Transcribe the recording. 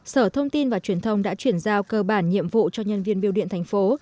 sở thông tin và truyền thông đã chuyển giao cơ bản nhiệm vụ cho nhân viên bưu điện tp